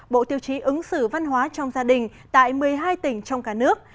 bộ tiêu chí ứng xử văn hóa trong gia đình tại một mươi hai tỉnh trong cả nước